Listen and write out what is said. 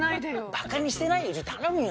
バカにしてないよ！頼むよ！